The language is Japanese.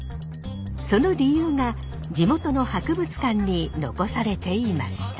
その理由が地元の博物館に残されていました。